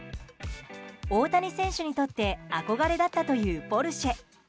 大谷選手にとって憧れだったというポルシェ。